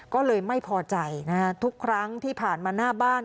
ก็เลยไม่พอใจนะฮะทุกครั้งที่ผ่านมาหน้าบ้าน